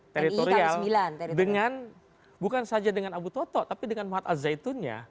teritorial dengan bukan saja dengan abu toto tapi dengan mahat al zaitunnya